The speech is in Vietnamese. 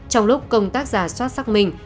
trong lúc công tác giả soát xác minh